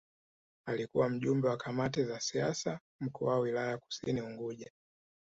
Alikuwa Mjumbe wa Kamati za Siasa Mkoa na Wilaya ya Kusini Unguja